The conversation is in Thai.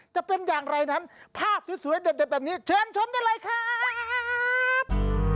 เชิญชมได้เลยครับ